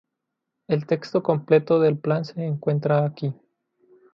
El texto completo del Plan se encuentra aquí.